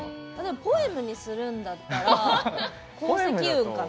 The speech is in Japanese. ポエムにするんだったら層積雲かな。